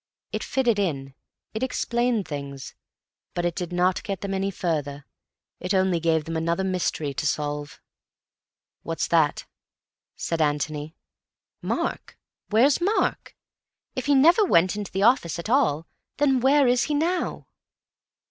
It fitted in, it explained things, but it did not get them any further. It only gave them another mystery to solve. "What's that?" said Antony. "Mark. Where's Mark? If he never went into the office at all, then where is he now?"